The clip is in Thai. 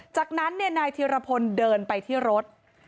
จากนั้นนายธิรพลเดินไปที่รถ